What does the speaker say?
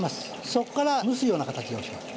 そこから蒸すような形にします。